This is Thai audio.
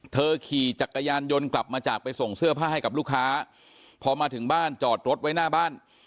ขี่จักรยานยนต์กลับมาจากไปส่งเสื้อผ้าให้กับลูกค้าพอมาถึงบ้านจอดรถไว้หน้าบ้าน